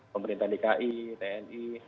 pemerintah dki tni